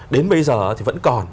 đến bây giờ thì vẫn còn